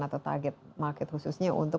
atau target market khususnya untuk